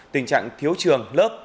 tình trạng thiếu trường lớp